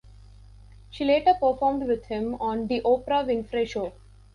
She later performed with him on "The Oprah Winfrey Show".